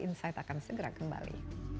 insight akan segera kembali